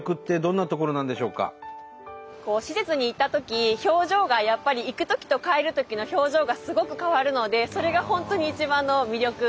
施設に行ったとき表情がやっぱり行くときと帰るときの表情がすごく変わるのでそれが本当に一番の魅力です。